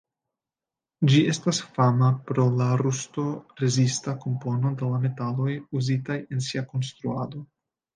Ĝi estas fama pro la rusto-rezista kompono de la metaloj uzitaj en sia konstruado.